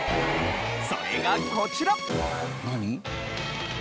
それがこちら。